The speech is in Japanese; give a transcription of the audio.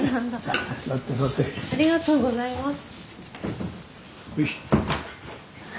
ありがとうございます。